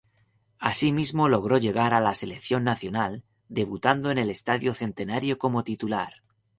Asimismo logró llegar a la selección nacional, debutando en el estadio Centenario como titular.